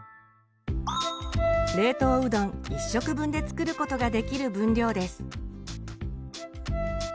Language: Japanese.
冷凍うどん１食分で作ることができる分量です。